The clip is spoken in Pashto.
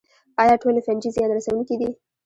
ایا ټولې فنجي زیان رسوونکې دي